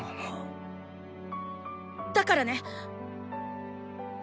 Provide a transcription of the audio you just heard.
だからね。